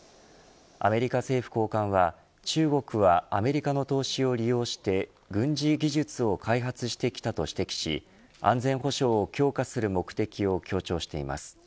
アメリカ政府高官は、中国はアメリカの投資を利用して軍事技術を開発してきたと指摘し安全保障を強化する目的を強調しています。